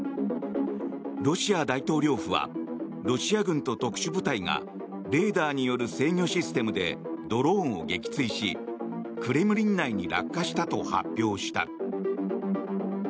ロシア大統領府はロシア軍と特殊部隊がレーダーによる制御システムでドローンを撃墜しクレムリン内に落下したと発表した。